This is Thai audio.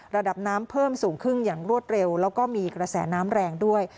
ระดับน้ำเพิ่มสูงขึ้นอย่างรวดเร็วแล้วก็มีกระแสน้ำแรงด้วย